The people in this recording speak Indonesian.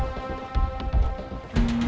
ya ada tiga orang